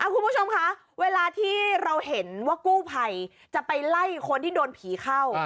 คุณผู้ชมคะเวลาที่เราเห็นว่ากู้ภัยจะไปไล่คนที่โดนผีเข้า